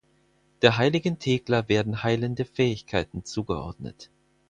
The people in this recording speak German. Der heiligen Thekla werden heilende Fähigkeiten zugeordnet.